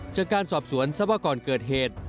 จากการสอบสวนทรัพย์ว่าก่อนเกิดเหตุ